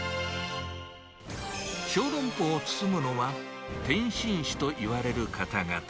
小籠包を包むのは、点心師といわれる方々。